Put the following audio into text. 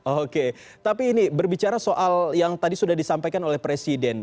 oke tapi ini berbicara soal yang tadi sudah disampaikan oleh presiden